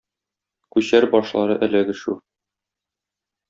Күчәр башлары эләгешү.